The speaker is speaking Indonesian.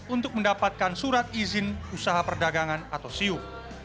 untuk mendapatkan surat izin usaha perdagangan atau siu